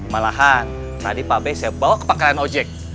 malahan tadi pak bay saya bawa ke pangkalan ojek